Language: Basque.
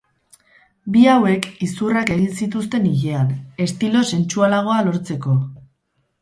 Bi hauek izurrak egin zituzten ilean, estilo sentsualagoa lortzeko.